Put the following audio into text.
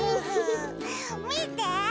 みて！